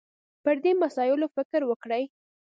پر دې مسایلو فکر وکړي